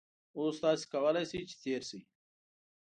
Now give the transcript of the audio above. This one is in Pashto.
اوس تاسو کولای شئ چې تېر شئ